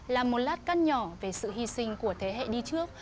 là một lát cắt nhỏ về sự hy sinh của thế hệ đi trước